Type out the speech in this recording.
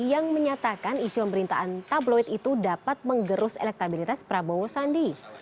yang menyatakan isu pemerintahan tabloid itu dapat menggerus elektabilitas prabowo sandi